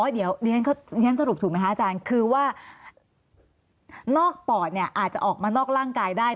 เดี๋ยวฉันสรุปถูกไหมคะอาจารย์คือว่านอกปอดเนี่ยอาจจะออกมานอกร่างกายได้